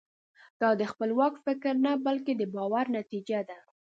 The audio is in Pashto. دا د خپلواک فکر نه بلکې د باور نتیجه ده.